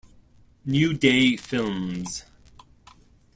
New Day Films.